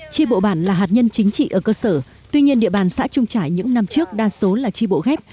tri bộ bản là hạt nhân chính trị ở cơ sở tuy nhiên địa bàn xã trung trải những năm trước đa số là tri bộ ghép